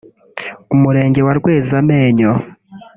Umurenge wa Rwezamenyo